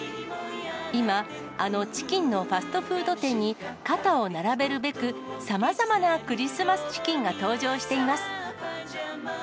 今、あのチキンのファストフード店に肩を並べるべく、さまざまなクリスマスチキンが登場しています。